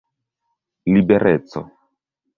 libereco